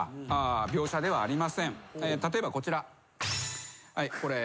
例えばこちら。